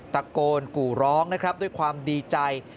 ตะโกนกูร้องด้วยความดีใจ